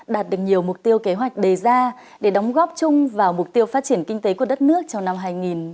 đạt được nhiều mục tiêu kế hoạch đề ra để đóng góp chung vào mục tiêu phát triển kinh tế của đất nước trong năm hai nghìn hai mươi